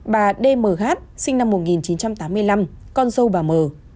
bà dmh sinh năm một nghìn chín trăm tám mươi năm con dâu bà m